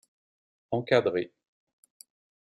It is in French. Encadré.